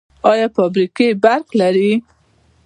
آیا فابریکې برق لري؟